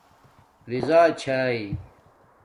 رضآچھی